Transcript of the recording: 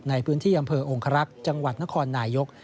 ในพื้นที่อำเภอองครักษ์จังหวัดนครนายก